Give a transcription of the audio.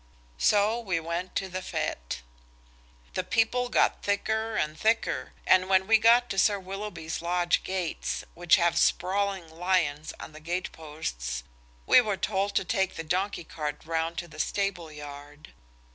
So we went to the fête. The people got thicker and thicker, and when we got to Sir Willoughby's lodge gates, which have sprawling lions on the gate posts, we were told to take the donkey cart round to the stable yard.